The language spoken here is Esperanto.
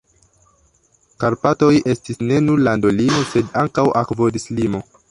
Karpatoj estis ne nur landolimo, sed ankaŭ akvodislimo.